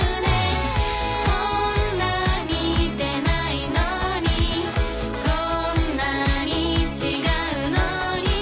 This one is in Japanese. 「こんな似てないのにこんなに違うのに」